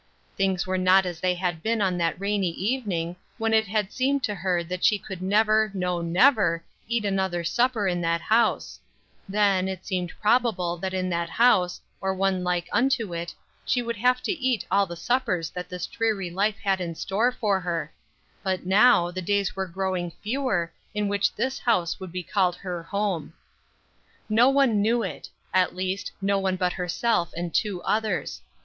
Things were not as they had been on that rainy evening, when it had seemed to her that she could never, no never eat another supper in that house; then, it seemed probable that in that house, or one like unto it, she would have to eat all the suppers that this dreary life had in store for her; but now, the days were growing fewer in which this house would be called her home. No one knew it; at least, no one but herself and two others.